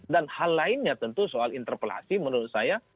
dan hal lainnya tentu soal interpelasi menurut saya